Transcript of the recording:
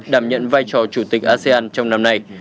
đảm nhận vai trò chủ tịch asean trong năm nay